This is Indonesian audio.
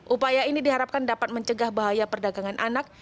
upaya ini diharapkan dapat mencegah bahaya perdagangan anak